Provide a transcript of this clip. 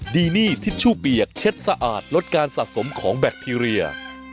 ดีนี่ทิชชู่เปียกเช็ดสะอาดลดการสะสมของแบคทีเรีย